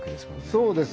そうです。